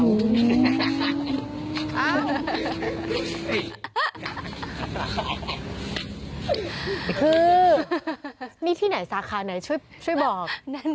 ถ้ามีที่ไหนสาขาไหนช่วยช่วยบอก